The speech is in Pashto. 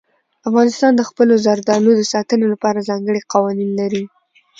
افغانستان د خپلو زردالو د ساتنې لپاره ځانګړي قوانین لري.